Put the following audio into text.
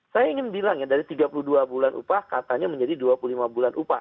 saya ingin bilang ya dari tiga puluh dua bulan upah katanya menjadi dua puluh lima bulan upah